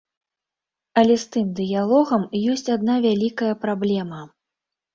Але з тым дыялогам ёсць адна вялікая праблема.